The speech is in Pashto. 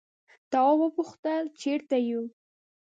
تواب وپوښتل چیرته یو.